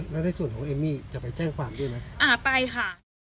แล้วในส่วนของเอมมี่จะไปแจ้งความด้วยไหมอ่าไปค่ะ